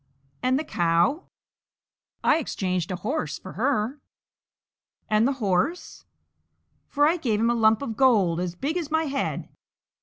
"And the cow?" "I exchanged a horse for her." "And the horse?" "For him I gave a lump of gold as big as my head."